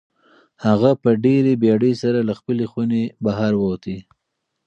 هغه په ډېرې بېړۍ سره له خپلې خونې بهر ووت.